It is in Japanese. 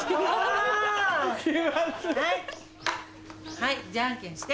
はいじゃんけんして。